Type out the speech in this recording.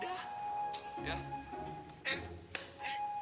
yuk yuk yuk